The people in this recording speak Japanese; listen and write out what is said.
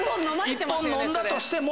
１本飲んだとしても？